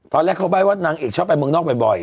ตอนแรกเขาใบ้ว่านางเอกชอบไปเมืองนอกบ่อย